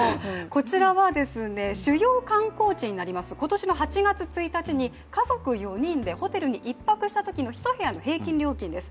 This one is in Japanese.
こちらは主要観光地になります、今年の８月１日に家族４人でホテルに１泊したときの１部屋の平均料金です。